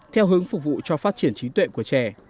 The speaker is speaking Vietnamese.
theo hướng phục vụ cho phát triển trí tuệ của trẻ